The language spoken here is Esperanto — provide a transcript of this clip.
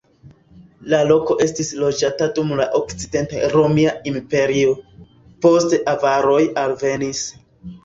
La loko estis loĝata dum la Okcident-Romia Imperio, poste avaroj alvenis.